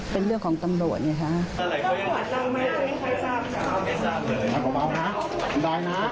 เป็นเรื่องของตำรวจนะครับ